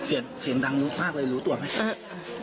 เสียงเสียงดังมากเลยรู้ตัวไหม